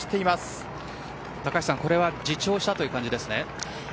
これは自重したという感じですか。